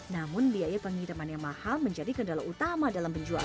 namun biaya pengiriman yang mahal menjadi kendala utama dalam penjualan